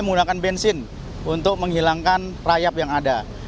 menggunakan bensin untuk menghilangkan rayap yang ada